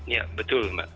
ya betul mbak